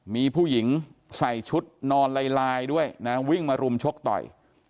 มีผู้หญิงใส่ชุดนอนลายด้วยนะวิ่งมารุมชกต่อย